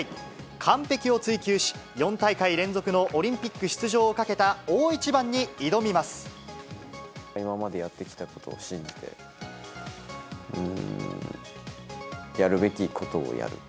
完璧を追求し、４大会連続のオリンピック出場をかけた大一番に挑今までやってきたことを信じて、やるべきことをやる。